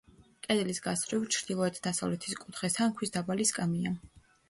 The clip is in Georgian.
კედლის გასწვრივ, ჩრდილოეთ-დასავლეთის კუთხესთან, ქვის დაბალი სკამია.